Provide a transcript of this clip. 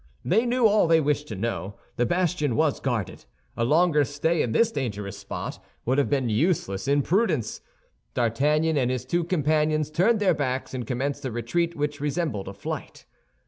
They knew all they wished to know; the bastion was guarded. A longer stay in this dangerous spot would have been useless imprudence. D'Artagnan and his two companions turned their backs, and commenced a retreat which resembled a flight.